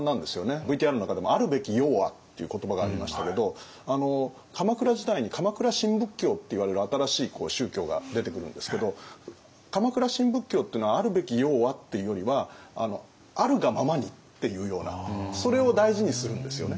ＶＴＲの中でも「あるべきようは」っていう言葉がありましたけど鎌倉時代に鎌倉新仏教っていわれる新しい宗教が出てくるんですけど鎌倉新仏教っていうのは「あるべきようは」っていうよりは「あるがままに」っていうようなそれを大事にするんですよね。